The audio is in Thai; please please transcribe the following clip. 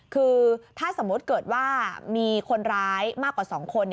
คือถ้าสมมุติเกิดว่ามีคนร้ายมากกว่า๒คน